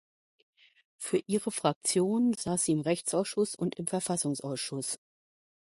Für ihre Fraktion saß sie im Rechtsausschuss und im Verfassungsausschuss.